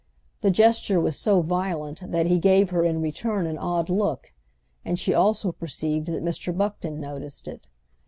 The gesture was so violent that he gave her in return an odd look, and she also perceived that Mr. Buckton noticed it.